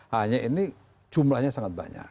hanya ini jumlahnya sangat banyak